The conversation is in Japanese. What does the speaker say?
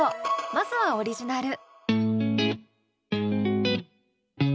まずはオリジナル。